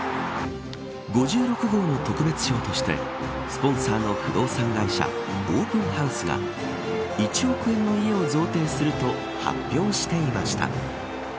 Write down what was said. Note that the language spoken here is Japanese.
５６号の特別賞としてスポンサーの不動産会社オープンハウスが１億円の家を贈呈すると発表していました。